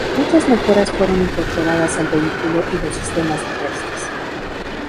Muchas mejoras fueron incorporadas al vehículo y los sistemas terrestres.